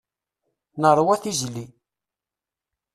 Nerwa tizli.